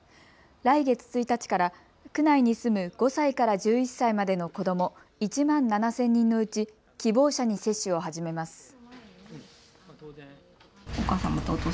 来月１日から区内に住む５歳から１１歳までの子ども１万７０００人のうち希望者に接種を始めます。